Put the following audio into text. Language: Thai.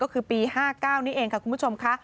ก็คือปี๕๙นี่เองค่ะคุณผู้ชมค่ะ